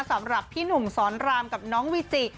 สำหรับพี่หนุ่มสอนรามกับน้องวิจิ